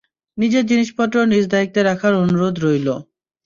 নিজের জিনিসপত্র নিজ দায়িত্বে রাখার অনুরোধ রইল।